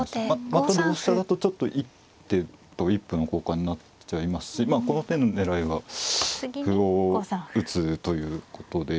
また同飛車だとちょっと一手と一歩の交換になっちゃいますしまあこの手の狙いは歩を打つということで。